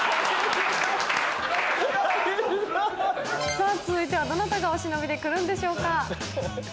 さぁ続いてはどなたがお忍びで来るんでしょうか。